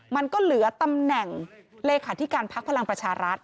มันก็เหลือตำแหน่งเลขาธิการพักพลังประชารัฐ